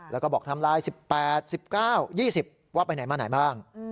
แล้วก็บอกทำลาย๑๘๑๙๒๐ว่าไปไหนมาไหนบ้าง